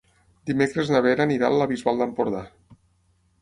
Dimecres na Vera anirà a la Bisbal d'Empordà.